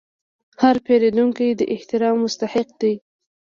هر پیرودونکی د احترام مستحق دی.